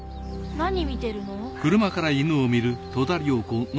何見てるの？